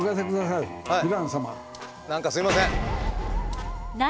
何かすいません。